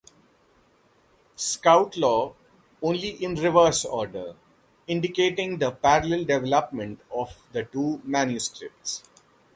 Scout Law, only in reverse order, indicating the parallel development of the two manuscripts.